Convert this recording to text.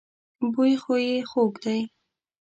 بوی خو يې خوږ دی.